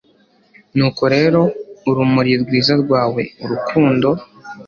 Nuko rero urumuri rwiza rwawe urukundo